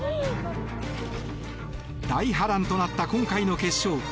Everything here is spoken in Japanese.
大波乱となった今回の決勝。